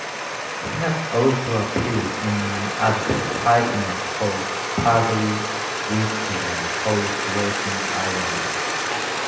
He has also appeared in advertisements for Paddy Whiskey and Horse Racing Ireland.